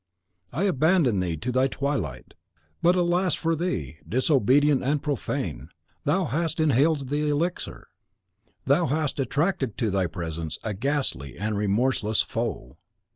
I abandon thee to thy twilight! "But, alas for thee, disobedient and profane! thou hast inhaled the elixir; thou hast attracted to thy presence a ghastly and remorseless foe.